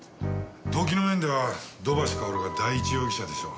動機の面では土橋かおるが第一容疑者でしょう。